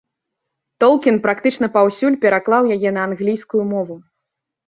Толкін практычна паўсюль пераклаў яе на англійскую мову.